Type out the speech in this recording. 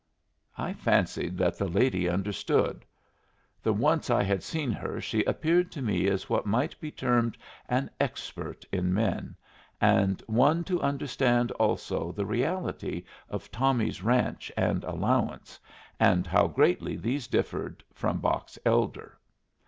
I fancied that the lady understood. The once I had seen her she appeared to me as what might be termed an expert in men, and one to understand also the reality of Tommy's ranch and allowance, and how greatly these differed from Box Elder.